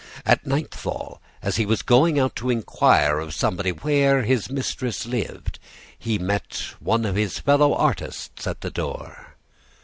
At nightfall, as he was going out to inquire of somebody where his mistress lived, he met one of his fellow artists at the door.